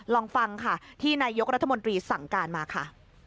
ลองฟังค่ะที่นายกรัฐมนตรีสั่งการมาค่ะ